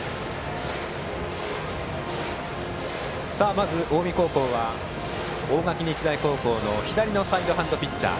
まず近江高校は、大垣日大高校の左のサイドハンドピッチャー